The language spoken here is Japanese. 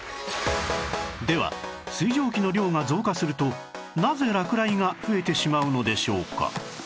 では水蒸気の量が増加するとなぜ落雷が増えてしまうのでしょうか？